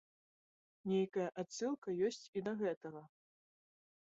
Нейкая адсылка ёсць і да гэтага.